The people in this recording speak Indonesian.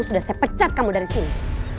sudah saya pecat kamu dari sini